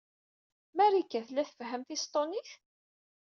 Marika tella tfehhem tisṭunit?